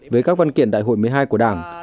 về các văn kiện đại hội một mươi hai của đảng